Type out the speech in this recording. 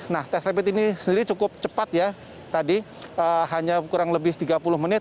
nah tes rapid ini sendiri cukup cepat ya tadi hanya kurang lebih tiga puluh menit